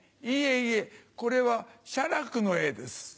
いえいえこれは写楽の絵です。